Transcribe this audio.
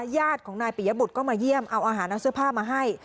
ญาติของนายปียบุตรก็มาเยี่ยมเอาอาหารเอาเสื้อผ้ามาให้